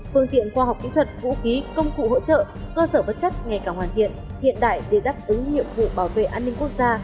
phương tiện khoa học kỹ thuật vũ khí công cụ hỗ trợ cơ sở vật chất ngày càng hoàn thiện hiện đại để đáp ứng nhiệm vụ bảo vệ an ninh quốc gia